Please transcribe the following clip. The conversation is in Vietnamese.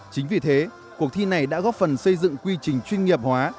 chính vì thế cuộc thi này đã góp phần xây dựng quy trình chuyên nghiệp hóa